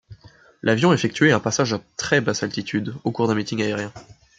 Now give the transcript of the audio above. L'avion effectuait un passage à très basse altitude au cours d'un meeting aérien.